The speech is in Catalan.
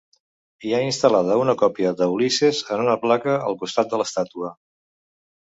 Hi ha instal·lada una còpia d'"Ulisses" en una placa al costat de l'estàtua.